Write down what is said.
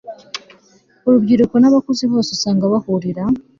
Urubyiruko nabakuze bose usanga bahurira